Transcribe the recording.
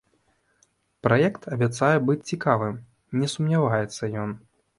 Праект абяцае быць цікавым, не сумняваецца ён.